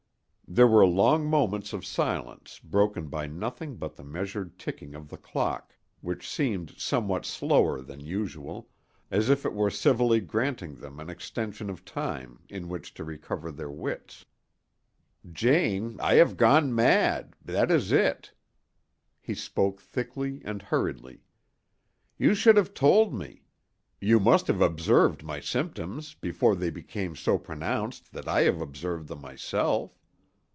There were long moments of silence broken by nothing but the measured ticking of the clock, which seemed somewhat slower than usual, as if it were civilly granting them an extension of time in which to recover their wits. "Jane, I have gone mad—that is it." He spoke thickly and hurriedly. "You should have told me; you must have observed my symptoms before they became so pronounced that I have observed them myself.